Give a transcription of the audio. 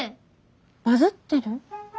バズってる？